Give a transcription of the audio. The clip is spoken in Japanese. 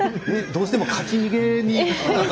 どうしても勝ち逃げに。